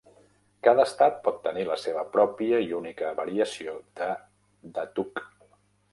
Cada estat pot tenir la seva pròpia i única variació de "Datuk".